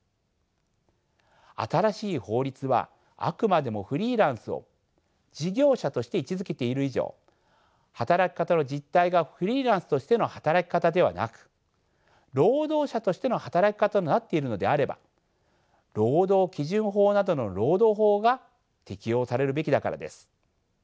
新しい法律はあくまでもフリーランスを事業者として位置づけている以上働き方の実態がフリーランスとしての働き方ではなく労働者としての働き方となっているのであれば労働基準法などの労働法が適用されるべきだからです。